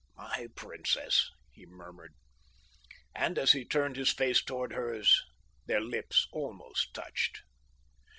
"My princess!" he murmured, and as he turned his face toward hers their lips almost touched.